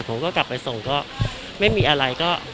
ผมก็กลับไปส่งก็ไม่มีอะไรก็